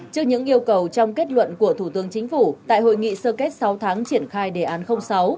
trước những yêu cầu trong kết luận của thủ tướng chính phủ tại hội nghị sơ kết sáu tháng triển khai đề án sáu